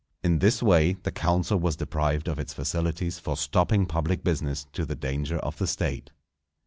In this way the council was deprived of its facilities for stopping public business to the danger of the State.